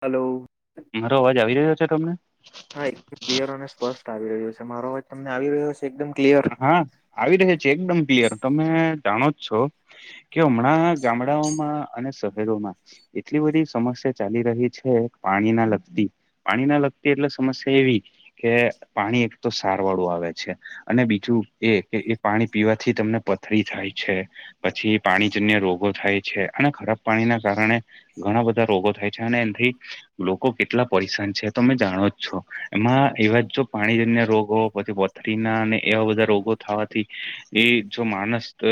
Hello. મારો અવાજ આવી રહ્યો છે તમને? હા એકદમ ક્લિયર અને સ્પષ્ટ આવી રહ્યું છે મારો વાત તમને આવી રહ્યો છે એકદમ ક્લિયર. હા આવી રહ્યા છે એકદમ ક્લિયર તમે જાણો જ છો કે હમણાં ગામડાઓમાં અને સ શરોમાં એટલી બધી સમસ્યા ચાલી રહી છે પાણી ના લગતી. પાણી ના લગતી એટલે સમસ્યા એવી કે પાણી એક તો ક્ષારવાળું આવે છે. અને બીજું એ કે એ પાણી પીવાથી તમને પથરી થાય છે. પછી પાણીજન્ય રોગો થાય છે અને ખરાબ પાણીના કારણે ઘણા બધા રોગો થાય છે અને એથી લોકો કેટલા પરેશાન છે તમે જાણો જ છો એમાં એ વાત જો પાણીજન્ય રોગો પછી પથરીના અને એવા બધા રોગો થવાથી એ તો માણસ તો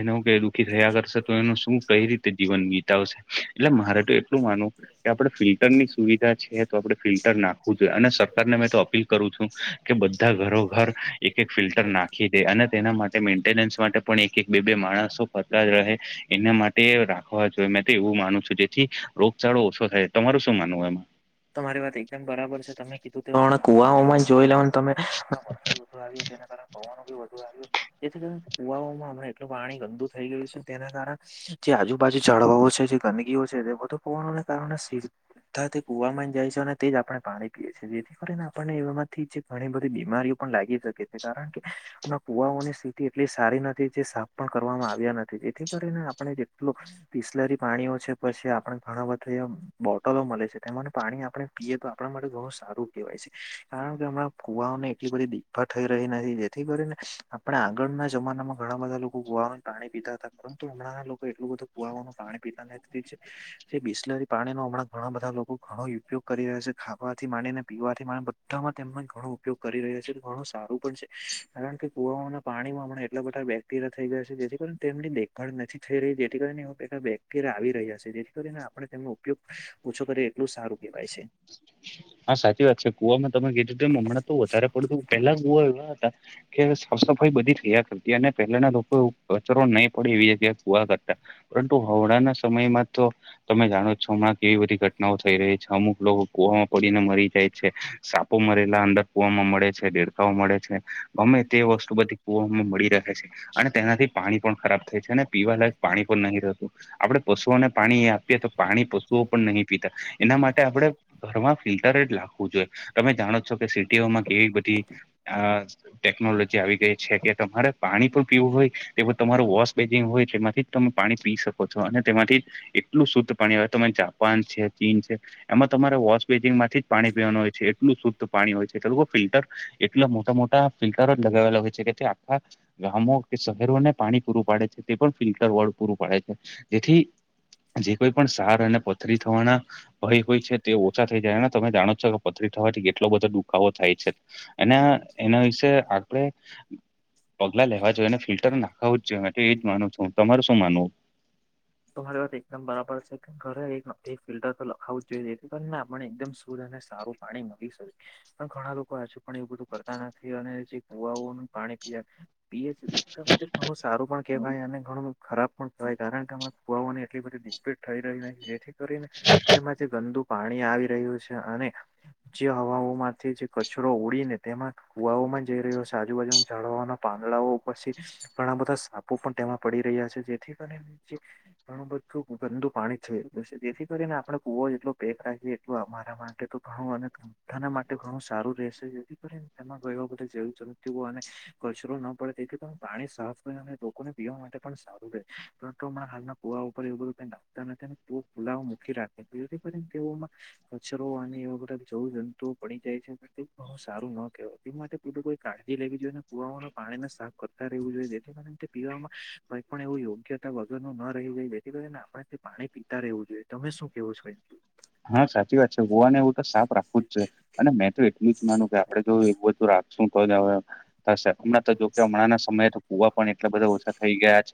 એનો કે દુઃખી થયા કરશે તો એનું શું કઈ રીતે જીવન વિીતાવશે એટલે મારે તો એટલું માનવું કે આપડણે ફિલ્ટરની સુવિધા છે તો આપડણે ફિલ્ટર નાખવું જોઈએ અને સરકારને મેં તો અપીલ કરું છું કે બધા ઘરો ઘર એક એક ફિલ્ટર નાખી દે અને તેના માટે મેન્ટેનન્સ માટે પણ એક એક બે બે માણસો બલા જ રહે એના માટે રાખવા જોઈએ મેં તો એવું માનું છું જેથી રોગચાળો ઓછો થાય. તમારું શું માનવું એમાં? તો મારી વાત એકદમ બરાબર છે તમે કીધું ત કુવા હોમાં જોઈ લોને તમે વરસાદ વધુ આવ તેના કારણે પવનો બી વધુ આવ્યો. જેથી કરી કુવામાં અમ એટલું પાણી ગંદુ થઈ ગયું છે તેના કારણે જે આજુબાજુ ઝાડવા ઓ છે જે ગંદકીઓ છે એ બધુ કુવાઓ ના કારણે સીધા કુવાવામાં જાય છે અને તે જ આપણે પાણી પીએ છીએ જેથી કરીને આપણને એમાંથી ઘણી બધી બીમારીઓ પણ લાગી શકે કારણ કે કુવાઓની સ્થિતિ એટલી સારી નથી જે સાફ પણ કરવામાં આવ્યા નથી તેથી કરીને આપ જેટલ બીસલેરી પાણીઓ છે પછી આપણ ઘણા બધા એ બોટલો મળે છે. તેમાં પાણી આપણે પીએ તો આપણા માટે ઘણું સારું કહેવાય છે કારણ કે હમણાં ફુવાઓને એટલી બધી ભા થઈ રહી નથી જેથી કરીને આપણે આગળના જમાનામાં ઘણા બધા લોકો ગોવા પાણી પીતા હતા. પરંતુ હમણાં લોકો એટલું બધું કુવાનું પાણી પીતા નથી. એ બિસ્લેરી પાણીનો હમણાં ઘણા બધા લોકો ઘણો ઉપયોગ કરી રહ્યા છે ખાવાથી માની ને પીવાથી માં બધામાં તેમનો ઘણો ઉપયોગ કરી રહ્યા છે ઘણું સારું પણ છે. કારણ કે કુવાના પાણીમાં હમણા એટલા બધા બેક્ટેરિયા થઈ ગયા છે જેથી તેમને દેખ પણ નથી થઈ રહી જેથી કરીનેે બેક્ટેરિયા આવી રહ્યા છે જેથી કરીને આપણે તેમનો ઉપયોગ ઓછો કરીએ એટલું સારું કહેવાય છે. હા સાચી વાત છે કુવામાં તમે કીધું તેમ હમણાં તો વધારે પડતું પેલા કુવા એવા હતા કે સાફ સફાઈ બધી થયા કરતી અને પહેલાના લોકો કચરો નહી પડે એવી જગ્યા કુવા કરતા પરંતુ હમળાના સમયમાં તો તમે જાણો છો હમણાં કેવી બધી ઘટનાઓ થઈ રહી છે અમુક લોકો કુંદીને મરી જાય છે, સાપો મરેલા અંદર કુવામાં મળે છે, દેડકાઓ મળે છે. ગમે તે વસ્તુ બધી કુ મળી રહે છે અને તેનાથી પાણી પણ ખરાબ થાય છે અને પીવાલાયક પાણી પણ નહી રહેતું આપણેે પશુઓને પાણી આપીએ તો પાણી પશુઓ પણ નહીં પિતા એના માટે આપણે ઘરમાં ફિલ્ટરે નાખવું જોઈએ તમે જાણો છો કે સીટીઓમાં કેવી બધી આ ટેકનોલોજી આવી ગઈ છે કે તમારે પાણી પણ પીવું હોય તે તમારું વોશ બેજિંગ હોય તેમાંથી તમે પાણી પી શકો છો અને તેમાંથી એટલું શુદ્ધ પાણી આવે ત જાપાન છે ચીન છે એમાં તમારે વોશ બેસિનમાંથી પાણી પીવાનું હોય છે એટલ શુદ્ધ પાણી હોય છે એ લોકો ફિલ્ટર એટલા મોટા મોટા ફિલ્ટર જ લગાવેલા હોય છે કે તે આખા ગામો કે શહેરોને પાણી પૂરું પાડે છે તે પણ ફિલ્ટર વોર્ડ પૂરું પાડે છે જેથી જે કોઈ પણ સાર અને પથરી થવાના ભય હોય છે તે ઓછા થઈ જાયને તમે જાણો છો કે પથરી થવાથી કેટલો બધો દુખાવો થાય છે. એના એના વિશે આપડે પગલા લેવા જોઈએને ફિલ્ટર નાખાવું જ જોઈએ એ જ માનું છું હું તમારે શું માનવું? તો મારી વાત એકદમ બરાબર છે કે ઘરે ફિલ્ટર તો લખાવું જ જોઈ રહી છે પણ મે આપણને એકદમ શુદ્ધ અને સારું પાણી મળી શકે પણ ઘણા લોકો હજુ પણ એવું બધું કરતા નથી અને જે કુવાઓનું પાણી પીએ પીએ ઘણું સારું પણ કેહેવાય અને ઘણું ખરાબ પણ કેવાય કારણ કે ફુવાને એટલી બધી દિભેટ થઈ રહી જેથી કરીને તેમાં જે ગંદુ પાણી આવી રહ્યું છે અને જે હવાઓ માંથી જે કચરો ઉડીને તેમાં કુવાઓ માં જઈ રહ્યો છે આજુબાજુ જાળવાના પાંદડાઓ પછી ઘણા બધા [unintelligible] પણ તેમાં પડી રહ્યા છે જેથી કરી ઘણું બધું ગંદુ પાણી છે જેથી કરીને આપણે કુવો એટલો પેક રાખીએ અ મારા માટે તો ઘણું અનેધાના માટે ઘણું સારું રહેશે જેથી કરી એમાં ગય બધે જેવું ચાલ તેવું અને કચરો ના પડે તેથી પાણી સાફ રહે અને લોકોને પીવા માટે પણ સારું રહે પરંતુ અમના હાલના કુવા ઉપર એવ બધું કઈ નાખતા નથી ને તેઓ ખુલ મૂકી રાખે છેતિ કરીને તેઓમાં કચરો અને એવા બધા જવું જંતુઓ પડી જાય છે જેતી બહુ સારું ન કેવાય તે માટે પેું કોઈ કાળજી લેવી જોઈએ ને પુવામાંનું પાણીને સાફ કરતા રહેવું જોઈએ જેના કારણે તે પીવામાં કઈ પણ એવ યોગ્યતા વગરનું ન જેથી ને આપણે પાણી પીતા રહેવું જોઈએ તમે શું કેવો છો એમ હા સાચી વાત છે કુંવા ને એવું તો સાફ રાખવું જ જોયે અને મેં તો એટલું જ માનું કે આપડે જો એવું બધું રાખ રાખશું તોજ આવા થશે હમણાં તો જો કે હમણાં ના સમયે તો ફુવા પણ એટલા બધા ઓછા થઈ ગયા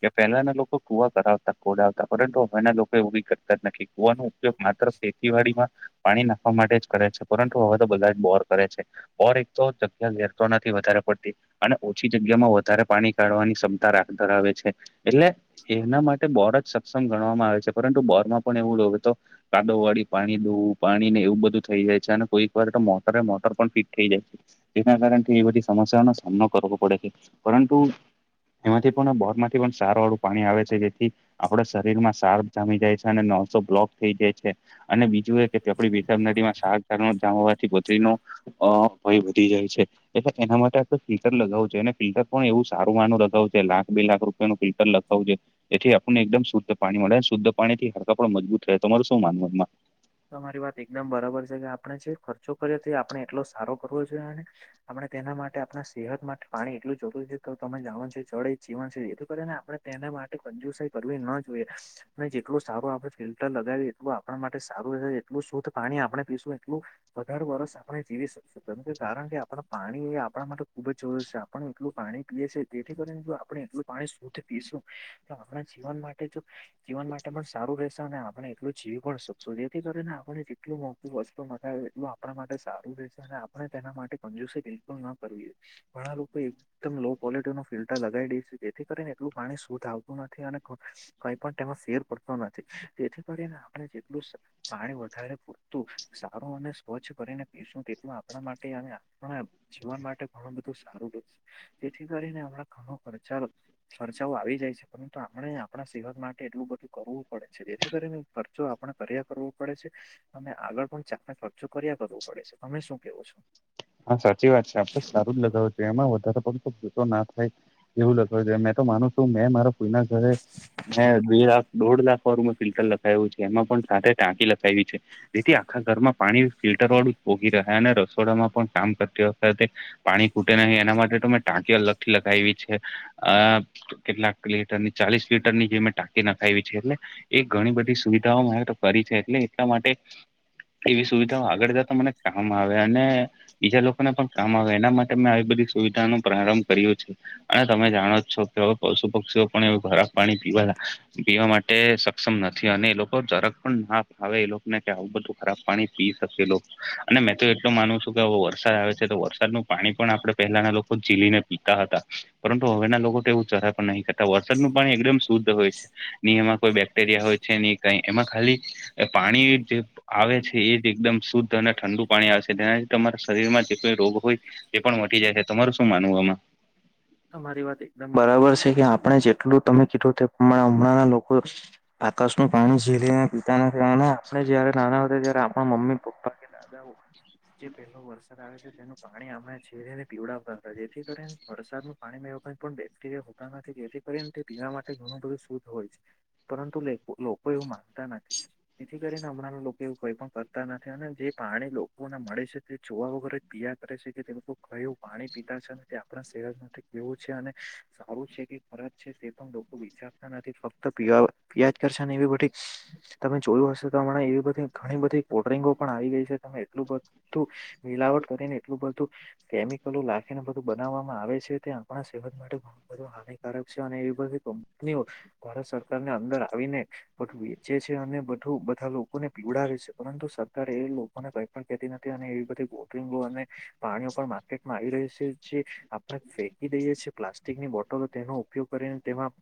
છે પહેલાના લોકો કુવા કરાવતા ખોડ આવતા પરંતુ હવેના લોકો એવું બી કરતા જ નથી કુવાનો ઉપયોગ માત્ર ખેતીવાડીમાં પાણી નાખવા માટે જ કરે છે પરંતુ હવે તો બધા જ બોર કરે છે ઓર એક તો જગ્યા લેર તો નથી વધારે પડતી અને ઓછી જગ્યા માં વધારે પાણી કાઢવાની ક્ષમતા રાખ ધરાવે છે એટલે એના માટે બોર જ સક્ષમ ગણવામાં આવે છે પરંતુ બોર માં પણ એવું લો તો કાદો વાળી પાણી દોવું પાણી ને એવું બધું થઈ જાય છે અને કોઈક વાર તો મોટરે મોટર પણ ફિટ થઈ જાય છે જેના કારણે એ બધી સમસ્યાઓનો સામનો કરવો પડે છે પરંતુ એમાંથી પણ બોર થી પણ સાર વાળું પાણી આવે છે જેથી આપણા શરીર માં સાર જામી જાય છે અને નસો બ્લોક થઈ જાય અને બીજું એ કેડી ભ નદીમાં હોવાથીત્રી ન હ ભાઈ વધી જાય છે એટલે એના માટે આપ ફિલ્ટર લગાવું છ અને ફિલ્ટર પણ એવું સારું માનું લગાવું છે લાખ બે લાખ રૂ ફિલ્ટર લખાવું જોઈ એથી આપણને એકદમ શુદ્ધ પાણી મળે શુદ્ધ પાણીથી હડકા પણ મજબૂત રે તમારું શુ માનવું એમાં તમારી વાત એકદમ બરાબર છે કે આપણે જે ખર્ચો કરીએ તે આપણે એટલો સારો કરવો જોઈએને આપણે તેના માટે આપણા સેહત માટે પાણી એટલું જરુર છે તો તમે જનો જો જળ એ જીવન છે એ બધે આપણે તેના માટે કંજુશી કરવી ના જોઈએ અને જેટલું સારું આપણે ફિલ્ટર લગાવીએ એટલું આપણા માટે સારું એટલું શુદ્ધ પાણી આપણે પીશું એટલું વધારે વરષ આપણે જીવી શકું કે કારણ કે આપડ પાણી એ આપણા માટે ખુબ જ જરૂરી છે આપણ એટલું પાણી પીએ છે જેથી કરીને જો આપણે એટલું પાણી શુદ્ધ પીશું તો આપણા જીવન માટે જો જીવન માટે પણ સારું રહેશે અને આપણે એટલું જીવી પણ શકું જેથી કરીને આપણે જેટલું મોંઘું વસ્તુ મગ એટલું આપણા માટે સારું રહેશે અને આપણે તેના માટે કજુસાંઈ ના કરવી ઘણા લોકો એકદમ લો ક્વોલિટી નું ફિલ્ટર લગાવી દઈશું જેથી કરીને એટલું પાણી શુદધ આવતું નથી અને કઈ પણ તેમાં ફેર પડતો નથી તેથી કરીને આપણે પાણી વધારે પૂરતું સારું અને સ્વચ્છ કરીને પીશું તેટલું આપણા માટે પણ જીવન માટે ઘણું બધું સારું રહે છે તેથી કરીને હમણા ઘણો ખર્ચા ખર્ચાઓ આવી જાય છે પરંતુ આપણે આપણા સેહત માટે એટલું બધું કરવું પડે છે જેથી કરીને ખર્ચો કર્યા કરવું પડે છે અને આગળ પણ ચાને ખર્ચો કર્યા કરવો પડે છે તમે શું કેવો છો હા સાચી વાત છે આપડ લગાવ એમાં વધ જસ ના થાય એવું લગાવું જોએ મે તો માનું છું મે મા કોના ઘરે મેં બે લાખ દોઢ લાખ વાળું મેં ફિલ્ટર લખાવું છે એમાં પણ ટાંકી લખાવી છે જેથી આખા ઘરમાં પાણી ફિલ્ટર વાળું પોગી રહ્યા અને રસોડામાં પણ કામ કરતી વખતે પાણી ખૂટે નહીં એના માટે તો મેં ટાંકી અલગ લગાવી છે કેટલાક લીટર ની ચાલીસ લીટરની જે મેં ટાકી નાખાવી છે એટલે એ ઘણી બધી સુવિધાઓ તો કરી છે એટલે એટલા માટે એવી સુવિધાઓ આગળ જતા મને કામ આવે અને બીજા લોકોને પણ કામ આવે એના માટે મેં આવી બધી સુવિધાનો પ્રારંભ કર્યો છે અને તમે જાણો જ છો કે હવે પશુ પક્ષીઓ પણ એ ખરાબ પાણી પીવાના પીવા માટે સક્ષમ નથી અને એ લોકો જરક પણ ના ફાવે એ લોકોને કે આવું બધું ખરાબ પાણી પી શકે લોકો અને મેં તો એટલો માનું છું કે વરસાદ આવે છે તો વરસાદનું પાણી પણ આપણે પહેલાના લોકો જેલીને પીતા હતા પરંતુ હવેના લોકો તેવું ચરા નહીં કરતા વરસાદનું પાણી એકદમ દુ હોય છે ન એમાં કોઈ બેક્ટેરિયા હોય છે ન કઈ એમાં ખાલી પાણી જે આવે છે એ જ એકદમ શુદ્ધ અને ઠંડુ પાણી આવે છે તેનાથી તમારે શરીર માં જેઈ રોગ હોય તે પણ વધી જાય છે તમાર શું માનવું આમાં? મારી વાત એકદમ બરાબર છે કે આપણે જેટલું તમે કીધું હમણાંના લોકો આકાશનું પાણી ઝીલીને પીતાના થવાને આપણે જયારે નાના હતા ત્યારે આપણા મમ્મી પપ્પા કે દાદા હો જે પહેલો વરસાદ આવે છે તેનું પાણી આમાં છેરીને પીવડાવતા હતા જેથી કરીને વરસાદનું પાણી મે એવ પણ બેક્ટેરિયા હોતા નથી જેથી કરીને તે પીવા માટે ઘણું બધું શુદ્ હોય છે. પરંતુ લોકો એવું માનતા નથી. જેથી કરીને હમણાં લોકો એવું કોઈ પણ કરતા નથી અને જે પાણી લોકોને મળે છે તે જોવા વગર પયા કરે છે કે તે લોકો કયું પાણી પીતા છે અને તે આપણા સેહદ માટે કેવું છે અને સારું છે કે ફરજ છે તે પણ લોકો વિચાર નથી ફક્ત પ્યાજ કરશેને એવી બધી તમે જોયું હશે તો હમણા એવી બધી ઘણી બધી કોલ્ડ્રિંગો પણ આવી ગઈ છે તમે એટલું બધું મિલાવટ કરીને એટલું બધું કેમિકલો લખીને બધું બનાવવામાં આવે છે. ત્યાં આપણા સેવન માટે. માટે ઘ બધું હાનિકારક છે અને એવી બધી કંપનીઓ ભારત સરકારને અંદર આવીને બધું વેચે છે અને બધું બધા લોકોને પીવડાવે છે પરંતુ ્યારે એ લોકોને ભઈ પણ કહેતી નથી અને એ બધી ગોત અને પાણીઓ પણ માર્કેટમાં આવી રહી છે જે આપણા ફે કી દઈએ છી પ્લાસ્ટિકની બોટલો તેનો ઉપયોગ કરીને તેમાં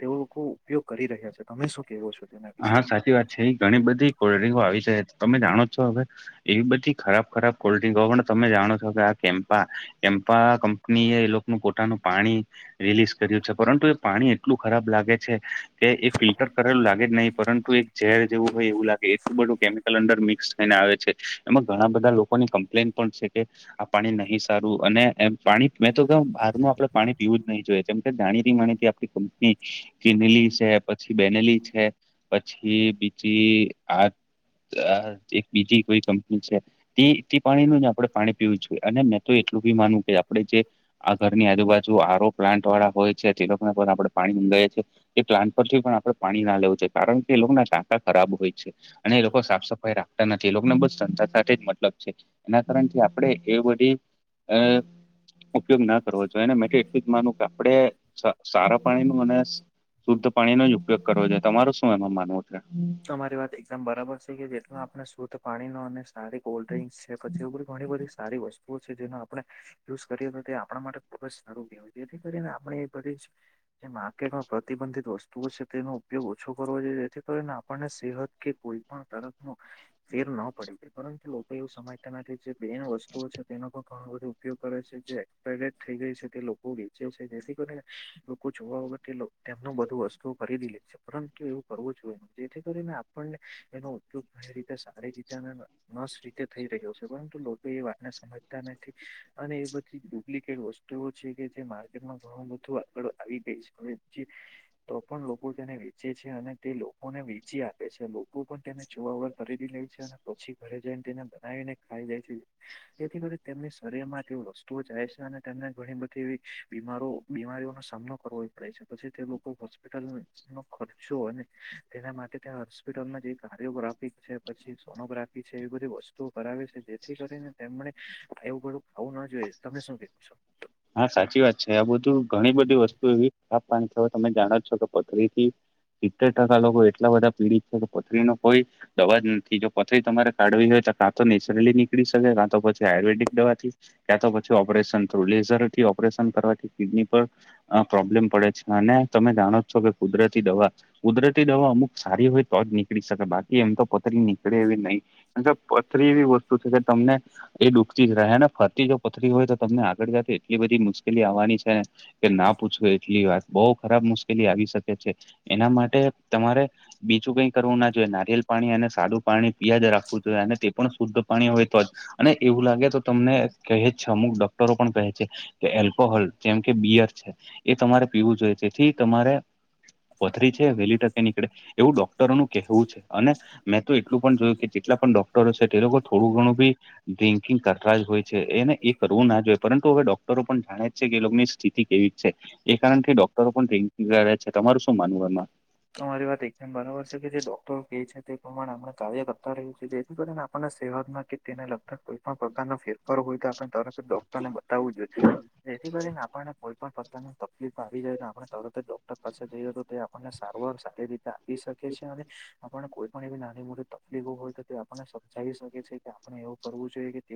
તે લોકો ઉપયોગ કરી રહ્યા છે તમે શું કેવો છો? તેના વિશે હા સાચી વાત છે એ ઘણી બધી કોલ્ડ્ર્રીંકો આવી છે. તમે જાણો છો હવે એવી બધી ખરાબ ખરાબ કોલ્ડ્રિંક હો પણ તમે જાણો છો કે આ કેમ્પા કેમપા કંપની એ એ લોકોનું પોતાનું પાણી રિલીઝ કર્યું છે પરંતુ પાણી એટલું ખરાબ લાગે છે કે એ ફિલ્ટર કરેલું લાગે જ નહીિ પરંતુ એક ઝેર જેવું હોય એવું લાગે એટલું બધું કેમિકલ અંડર મિક્સ થઈને આવે છે એમાં ઘણા બધા લોકોની કમ્પ્લેન પણ છે કે આ પાણી નહી સારું અને એમ પાણી મેં તો કે બાર ન આપડે પાણી પીવું જ નહી જોઈએ કેમ કે જાણી ર માણી આપ કંપની ચિનેલી છે પછી બેનેલી છે પછી બીજી આ એક બીજી કોઈ કંપની છે. તે તે પાણીનું આપણે પાણી પીવું જોઈએ અને મેં તો એટલું બી માનું કે આપણે જે આ ઘરની આજુબાજુ આરો પ્લાન્ટ વાળા હોય. લોકો આપડે પાણી મંગએ છીએ એ પ્લાન્ટ પરથી પણ આપડે પાણી ના લેવુ જોઈએ. કારણ કે એ લોકો ના ટાંકા ખરાબ હોય છે અને એ લોકો સાફ સફાઈ રાખ નથી એ લોકોને બસ જતા સાથે જ મતલબ છે એના કારથી આપણે એ બધી અ ઉપયોગ ના કરવો જોઈએને મે એટલું જ માનું કે આપડે સારા પાણી ન અને શુદ્ધ પાણીનો જ ઉપયોગ કરવો જોઈ તમારું શું એમાં માનવું છે? તમારી વાત એકદમ બરાબર છે કે જેટ આપણે શુદધ પાણીનો અને સારી કોલ્ડ્રિંક્સ છે પછી એ ઘણી બધી સારી વસ્તુ જે આપણે યુઝ કરીએ તો તે આપણા માટે ખુબ જ સરૂું ગય જેથી કરીને આપણે એ બધી જે માર્કેટમાં પ્રતિબંધિત વસ્તુઓ છે તેનો ઉપયોગ ઓછો કરવો જોઈએથી કરીને આપ સહત કે કોઈ પણ ત ફેર ન પડી જ પરંતુ લોકો એવું સમય તેનાથી જે બેન વસ્તુઓ છે તે લોકો ઘણો બધો ઉપયોગ કરે છે જે પ્રટ થઈ ગઈ છે તે લોકો વેચે છે જેથી કરીને લોકો જોવા વગત તેમનું બધુ વસ્તુઓ ખરીદી લે છે પરંતુ એવું કરવું જોઈએ. જેથી કરીને આપણને એનો ઉપગ રીતે સારી રીતે. નસ રીતે થઈ રહ્યો છે પરંતુ લોકો એ વાતને સમજતા નથી અને એ બધી ડુપ્લિકેટ વસ્તુ એવ છે કે જે માર્કેટમાં ઘણું બધું આગળ આવી ગઈ છે અને જે. તો પણ લોકો તેને વેચે છે અને તે લોકોને વેચી આપે છે લોકો પણ તેને જોવા વ ખરીદી લે છે અને પછી ઘરે જઈને તેને બનાવીને ખાઈ જાય છે. તેથી કરી તેમની શરીર માં તે વસ્તુઓ જાય છે અને તેમને ઘણી બધી બીમારો બીમારીઓનોો સામનો કરવો પડે છે પછી તે લોકો હોસ્પિટલ નો ખર્ચો હોય. તેના માટે ત્યાં હોસ્પિટલમાં જે કાર્યોગ્રાફી છે પછી સોનોગ્રાફી છે. એ બધી વસ્તુ કરરાવે છે જેથી ને તેમને એવું ઘડું ખું ના જોઈએ તમે શું કો છો. હા સાચી વાત છે આ બધું ઘણી બધી વસ્તુ એવી સાફ પાણી થ તમે જાણો છો કે પથરી થી સિત્તેર ટકા લોકો એટલા બધા પીડિત છે કે પથરી ન કોઈ દવા જો પથરી તમારે કાઢવી હોય તો કાં તો નેચરલી નીકળી શકે કાં તો પછી આયુર્વેદિક દવાથી. ત્યાં તો પછી ઓપરેશન થું લેઝર થી ઓપરેશન કરવાથી કિડની પર. પ્રોબ્લેમ પડે છે અને તમે જાણો છો કે કુદરતી દવા કુદરતી દવા અમુક સારી હોય તો જ નીકળી શકે બાકી. એ એમ તો પથરી નીકળે એવી નહીિ કાર કે પથરી એવી વસ્તુ છે કે તમને એ દુઃખતી જ રહેને ફરતી જો પથરી હોય તો તમને આગળ જ એટલી બધી મુશ્કેલી આવવાની છે. કે ના પૂછવ એટલી વાત બહ ખરાબ મુશ્કેલી આવી શકે છે એના માટે તમારે બીજું કઈ કરવું ના જોઈએ નારિયલ પાણી અને સાદું પાણી પીજ રાખવું જોઈએ અને પણ શુદ્ધ પાણી હોય તો જ અને એવું લાગે તો તમને કહે છે અમુક ડોક્ટરો પણ કહે છે કે એલ્કોહોલ જેમ કે બિયર છે. એ તમારે પીવું જોઈએ તેથી તમારે. પથરી છે વહેલી તકે નીકળે એવું ડોક્ટરો નું કહેવું છે અને મેં તો એટલું પણ જોયું કે જેટલા પણ ડોક્ટરો છે તે લોકો થોડું ઘણું બી ડ્રિકિંગ કરતા જ હોય. એને એ કરવું ના જોઈએ પરંતુ હવે ડોક્ટરો પણ જાણે જ છે કે એ લોકોની સ્થિતિ કેવી છે. એ કારણ કે ડોક્ટરો પણ ટ્યા છે તમારું શું માનવું એમાં. તમારી વાત એકદમ બરાબર છે કે જે ડોક્ટરો કે છે તે પ્રમાણે આપણે કાર્ય કરતા રહ્યું છે જેથી કરીને આપણને સેવાતમાં.. કે તેને લગતા કોઈ પણ પ્રકારનો ફેરફારો હોય તો આપણે તરત ડોક્ટરને બતાવવું જોઈશે. જેથી કરીને આપણને કોઈ પણણ પ્રકારની તકલીફ આવી જાય તો આપણે તરત જ ડોક્ટર પાસે જઈએ તો તે આપણને સર સારી રીતે આપી શકે છે અને આપણને કોઈ પણ એવી નાની મોટી તકલીફો હોય તો. આપને સમજાવી શકે છે કે આપણે એવું કરવું જોઈએ કે તે.